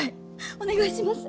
お願いします。